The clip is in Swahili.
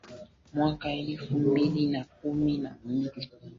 mwaka elfu mbili na kumi na mbili